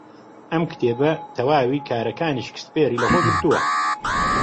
ئەم کتێبە تەواوی کارەکانی شکسپیری لەخۆ گرتووە.